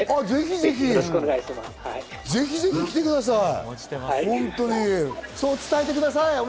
ぜひぜひ、そう伝えてください。